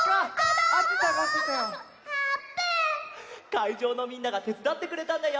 かいじょうのみんながてつだってくれたんだよ！